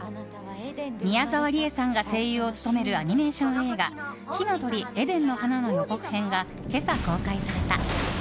宮沢りえさんが声優を務めるアニメーション映画「火の鳥エデンの花」の予告編が今朝公開された。